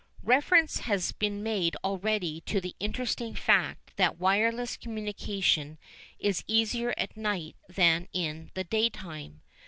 Reference has been made already to the interesting fact that wireless communication is easier at night than in the daytime.